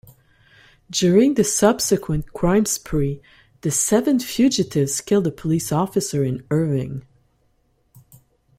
During the subsequent crime spree, the seven fugitives killed a police officer in Irving.